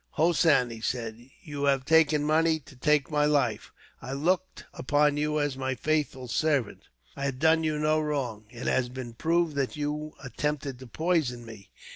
"Hossein," he said, "you have taken money to take my life. I looked upon you as my faithful servant. I had done you no wrong. It has been proved that you attempted to poison me.